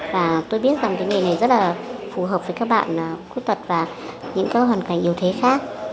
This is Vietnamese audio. và tôi biết rằng cái nghề này rất là phù hợp với các bạn khuyết tật và những các hoàn cảnh yếu thế khác